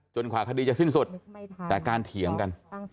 กว่าคดีจะสิ้นสุดแต่การเถียงกัน